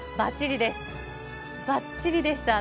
ばっちりでした。